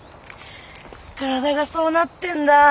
体がそうなってんだ。